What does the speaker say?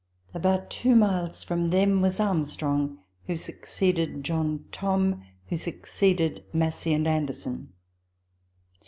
About two miles from them was Armstrong, who succeeded John Thorn, who succeeded Massie and Anderson.